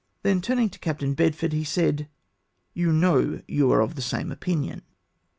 Then turning to Captain Bedford, he said, " You know you are of the same opinion."